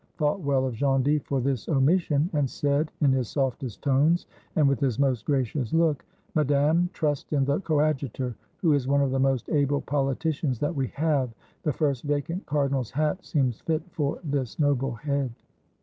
thought well of Gondy for this omission, and said, in his softest tones and with his most gracious look, "Madame, trust in the Coadjutor, who is one of the most able politicians that we have; the first vacant cardinal's hat seems fit for this noble head."